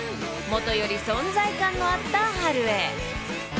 ［もとより存在感のあったｈａｒｕｅ］